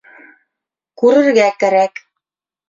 Күрергә кәрәк!